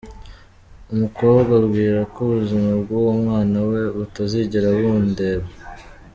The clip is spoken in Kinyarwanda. Umukobwa ambwira ko ubuzima bw’uwo mwana we butazigera bundeba.